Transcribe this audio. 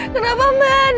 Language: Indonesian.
kenapa mbak anin